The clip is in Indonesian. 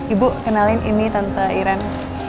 ibu kenalin ini tante iran